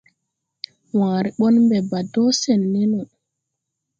Waare ɓɔn mbe ɓaa do sen ne no.